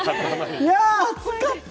熱かった！